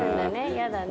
嫌だね。